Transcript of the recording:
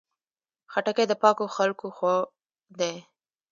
خټکی د پاکو خلکو خوړ دی.